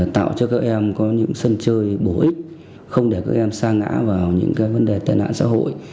tạo cho các em có những sân chơi bổ ích không để các em xa ngã vào những vấn đề tài nạn xã hội